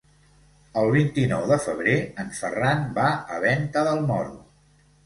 El vint-i-nou de febrer en Ferran va a Venta del Moro.